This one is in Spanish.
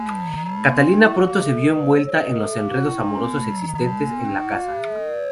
Catalina pronto se vio envuelta en los enredos amorosos existentes en la casa.